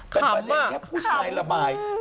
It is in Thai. เป็นประเร็จแค่ผู้ใช้ละบาย